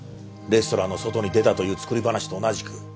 レストランの外に出たという作り話と同じく。